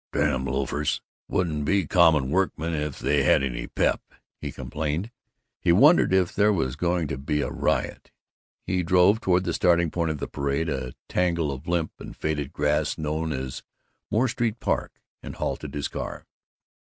"Damn loafers! Wouldn't be common workmen if they had any pep," he complained. He wondered if there was going to be a riot. He drove toward the starting point of the parade, a triangle of limp and faded grass known as Moore Street Park, and halted his car.